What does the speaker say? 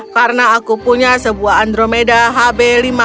karena aku punya sebuah andromeda hb lima puluh tujuh